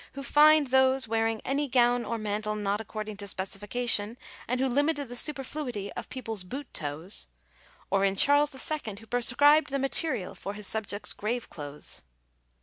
who fined those wearing " any gown or mantell " not according to specification, and who limited the superfluity of peoples boot toes, or in Charles II., who pre scribed the material for his subjects' grave clothes.